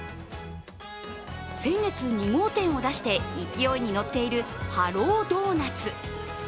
先月、２号店を出して勢いに乗っているハロードーナツ。